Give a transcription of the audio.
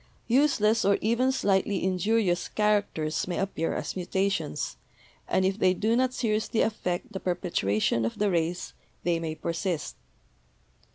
"Useless or even slightly injurious characters may ap pear as mutations, and if they do not seriously affect the perpetuation of the race, they may persist."